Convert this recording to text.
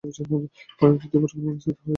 পরবর্তীতে পরিকল্পনা স্থগিত করা হয়েছিল।